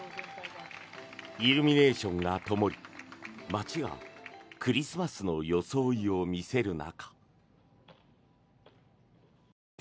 イルミネーションがともり街がクリスマスの装いを見せる中。